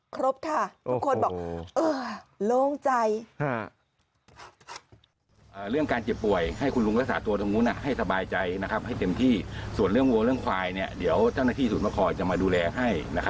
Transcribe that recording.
ครบค่ะทุกคนบอกเออโล่งใจ